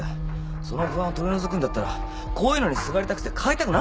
その不安を取り除くんだったらこういうのにすがりたくて買いたくなるだろ。